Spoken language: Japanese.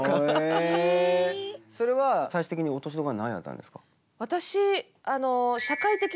それは最終的に落としどころは何やったんですか？